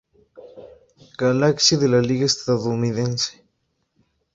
Galaxy de la Liga Estadounidense.